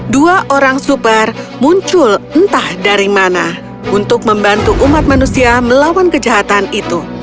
dua orang super muncul entah dari mana untuk membantu umat manusia melawan kejahatan itu